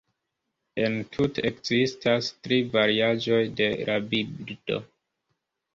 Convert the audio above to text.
Entute ekzistas tri variaĵoj de la bildo.